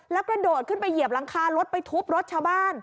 แล้วกระโดดขึ้นไปเหยียบหลังคารถไปทุบรถชาวบ้าน